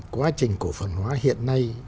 quá trình cổ phần hóa hiện nay